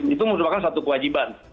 itu merupakan suatu kewajiban